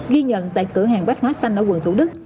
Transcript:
ghi nhận tại cửa hàng bách hóa xanh ở quận thủ đức